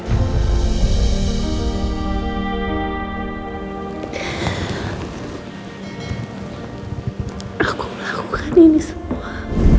aku melakukan ini semua